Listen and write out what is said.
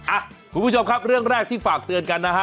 อ่ะคุณผู้ชมครับเรื่องแรกที่ฝากเตือนกันนะฮะ